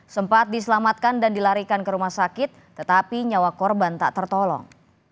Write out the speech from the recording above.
sempat diselamatkan dan dilarikan ke rumah sakit tetapi nyawa korban tak tertolong